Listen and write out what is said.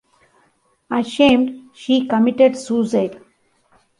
Ashamed, she committed suicide.